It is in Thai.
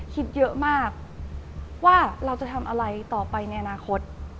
คิดเยอะมากว่าเราจะทำอะไรต่อไปในอนาคต